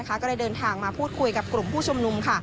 ก็เลยเดินทางมาพูดคุยกับกลุ่มผู้ชุมนุม